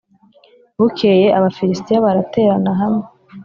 bukeye abafilisitiya baraterana hamwe